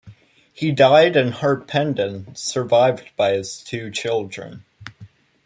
He died in Harpenden, survived by his two children.